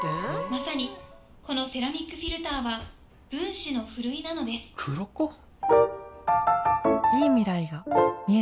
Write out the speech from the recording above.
まさにこのセラミックフィルターは『分子のふるい』なのですクロコ？？いい未来が見えてきた